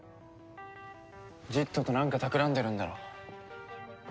ジットとなんかたくらんでるんだろ。